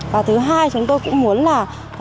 và thứ hai chúng tôi cũng muốn là